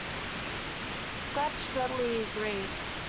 "Scratch" readily agreed.